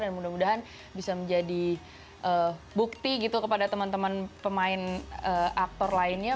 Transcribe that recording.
dan mudah mudahan bisa menjadi bukti gitu kepada teman teman pemain aktor lainnya